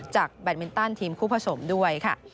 จากแบตเมนตันทีมคู่ผสมด้วย